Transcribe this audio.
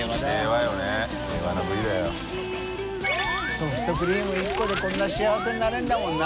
ソフトクリーム１個でこんな幸せになれるんだもんな。